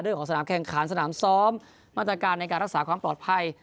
เรื่องของสนามแข่งขันสนามซ้อมมาตรการในการรักษาความปลอดภัย